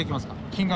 金額。